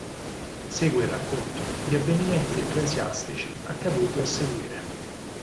Segue il racconto di avvenimenti ecclesiastici accaduti a seguire.